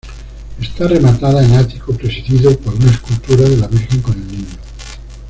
Esta rematada en ático presidido por una escultura de la Virgen con el Niño.